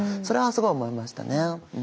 それはすごい思いましたね。